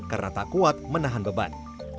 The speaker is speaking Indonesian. karena tak kuat menahan beban